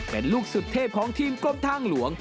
เป็นลูกสุดเทพของทีมกรมทางหลวง